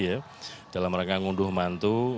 ya dalam rangka ngunduh mantu